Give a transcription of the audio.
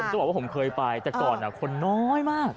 จะบอกว่าผมเคยไปแต่ก่อนคนน้อยมาก